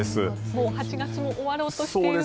もう８月も終わろうとしているのに。